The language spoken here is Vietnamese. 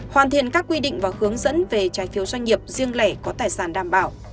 hoàn thiện các quy định và hướng dẫn về trái phiếu doanh nghiệp riêng lẻ có tài sản đảm bảo